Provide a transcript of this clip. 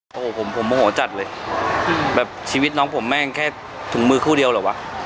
โอ้โหผมผมโมโหจัดเลยแบบชีวิตน้องผมแม่งแค่ถุงมือคู่เดียวเหรอวะ